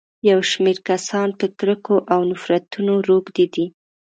يو شمېر کسان په کرکو او نفرتونو روږدي دي.